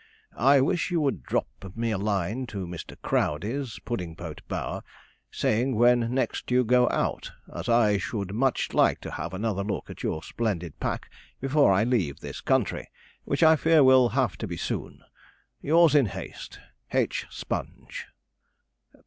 I wish you would drop me a line to Mr. Crowdey's, Puddingpote Bower, saying when next you go out, as I should much like to have another look at your splendid pack before I leave this country, which I fear will have to be soon. Yours in haste, 'H. SPONGE.